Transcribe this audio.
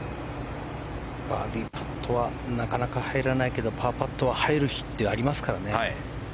バーディーパットはなかなか入らないけどパーパットは入る日ってありますからね。